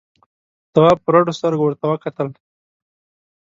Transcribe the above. تواب په رډو سترګو ورته وکتل.